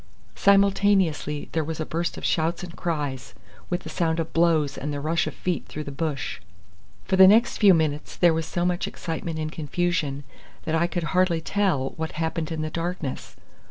Simultaneously there was a burst of shouts and cries, with the sound of blows and the rush of feet through the bush. For the next few minutes there was so much excitement and confusion that I could hardly tell what happened in the darkness.